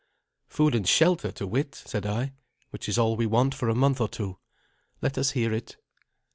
"Food and shelter, to wit," said I, "which is all we want for a month or two. Let us hear it."